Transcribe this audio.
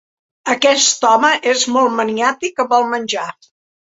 Aquest home és molt maniàtic amb el menjar.